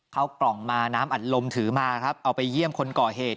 เข้ากล่องมาน้ำอัดลมถือมาครับเอาไปเยี่ยมคนก่อเหตุ